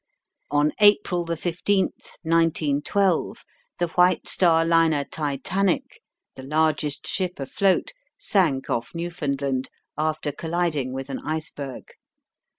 On April 15, 1912, the White Star liner Titanic, the largest ship afloat, sank off Newfoundland, after colliding with an iceberg.